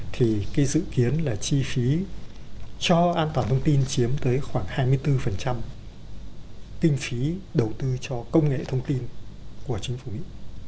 thì cái dự kiến là chi phí cho an toàn thông tin chiếm tới khoảng hai mươi bốn kinh phí đầu tư cho công nghệ thông tin của chính phủ